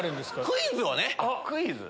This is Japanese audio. クイズをね。